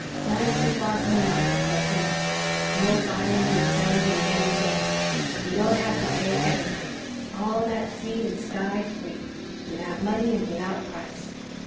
"Nice and far from the market place, ain't it? No buying and selling and getting gain. You don't have to pay anything all that sea and sky free 'without money and without price.'